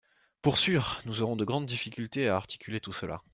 Pour sûr ! Nous aurons de grandes difficultés à articuler tout cela.